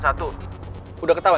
ja udah tuh